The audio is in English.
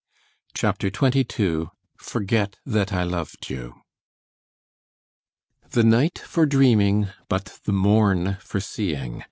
CHAPTER XXII FORGET THAT I LOVED YOU "The night for dreaming, but the morn for seeing."